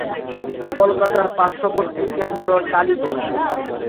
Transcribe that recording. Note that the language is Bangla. কলকাতার পাশ্ববর্তী কেন্দ্র টালিগঞ্জ।